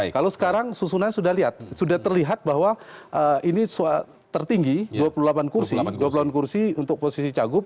kalau sekarang susunannya sudah terlihat bahwa ini tertinggi dua puluh delapan kursi untuk posisi cagup